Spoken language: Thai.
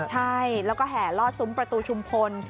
ใช่แล้วก็แห่ลอดซุ้มประตูชุมพล